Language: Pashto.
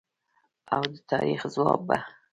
او د تاریخ ځواب به